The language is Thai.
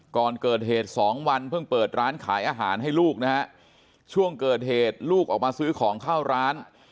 ก่อนเกิดเหตุสองวันเพิ่งเปิดร้านขายอาหารให้ลูกนะฮะช่วงเกิดเหตุลูกออกมาซื้อของเข้าร้าน